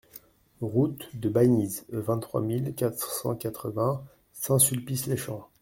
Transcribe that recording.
Route de Banize, vingt-trois mille quatre cent quatre-vingts Saint-Sulpice-les-Champs